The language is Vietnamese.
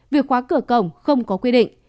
việc khóa cổng không có quy định